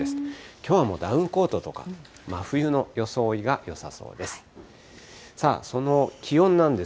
きょうはもうダウンコートとか、真冬の装いがよさそうです。